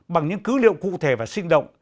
bằng những cứ liệu cụ thể và sinh động